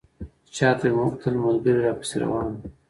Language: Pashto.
شاته مې وکتل ملګري راپسې روان وو.